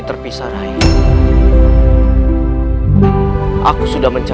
rate simpan putos datang